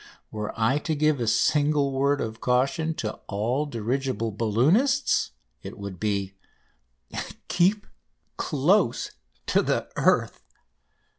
Were I to give a single word of caution to all dirigible balloonists, it would be: "Keep close to earth."